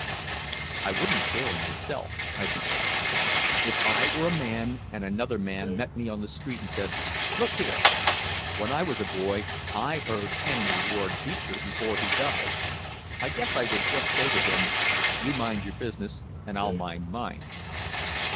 "I wouldn't care myself," I decided. "If I were a man and another man met me on the street and said, 'Look here. When I was a boy I heard Henry Ward Beecher before he died,' I guess I would just say to him, 'You mind your business and I'll mind mine.'"